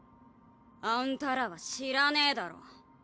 あんたらは知らねぇだろ？